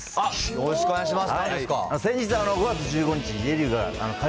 よろしくお願いします。